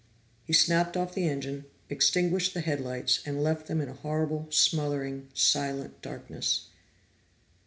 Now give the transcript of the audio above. He snapped off the engine, extinguished the headlights, and left them in a horrible, smothering, silent darkness.